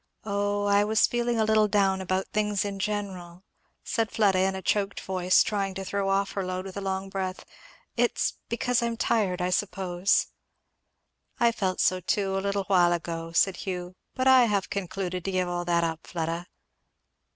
"O I was feeling a little down about things in general," said Fleda in a choked voice, trying to throw off her load with a long breath; "it's because I am tired, I suppose " "I felt so too, a little while ago," said Hugh. "But I have concluded to give all that up, Fleda."